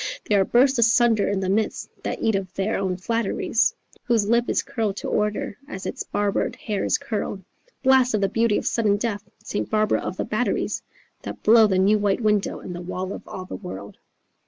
They are burst asunder in the midst that eat of their own flatteries, Whose lip is curled to order as its barbered hair is curled.... Blast of the beauty of sudden death, St. Barbara of the batteries! That blow the new white window in the wall of all the world.